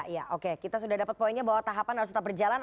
ya oke kita sudah dapat poinnya bahwa tahapan harus tetap berjalan